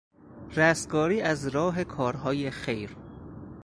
رستگاری از راه کارهای خیر